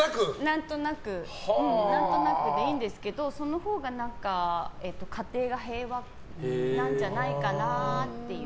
何となくでいいんですけどそのほうが家庭が平和なんじゃないかなっていう。